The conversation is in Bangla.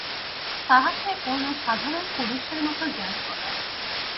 তাহাকে অন্য সাধারণ পুরুষের মতো জ্ঞান করা!